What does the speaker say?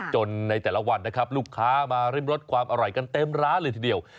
ในแต่ละวันนะครับลูกค้ามาริมรสความอร่อยกันเต็มร้านเลยทีเดียว